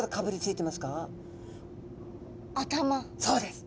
そうです。